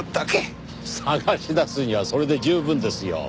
捜し出すにはそれで十分ですよ。